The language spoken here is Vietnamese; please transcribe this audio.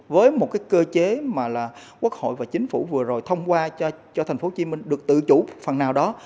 với một cái cơ chế mà là quốc hội và chính phủ vừa rồi thông qua cho thành phố hồ chí minh được tự chủ phần nào đó